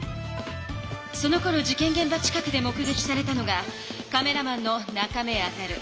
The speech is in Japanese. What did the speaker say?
そのころ事けんげん場近くで目げきされたのがカメラマンの中目中。